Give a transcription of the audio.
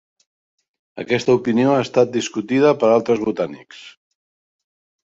Aquesta opinió ha estat discutida per altres botànics.